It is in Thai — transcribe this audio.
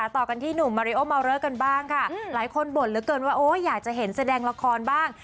ต่อกันที่หนุ่มมาริโอมาวเลอร์กันบ้างค่ะหลายคนบ่นเหลือเกินว่าอยากจะเห็นแสดงละครบ้าง